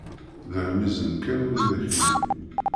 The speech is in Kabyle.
Dehmiẓen kan widak nni!